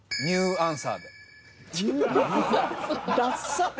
「ニューアンサー」ダッサ！